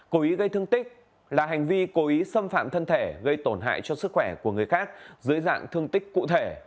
cố ý gây thương tích là hành vi cố ý xâm phạm thân thể gây tổn hại cho sức khỏe của người khác dưới dạng thương tích cụ thể